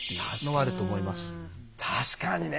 確かにね。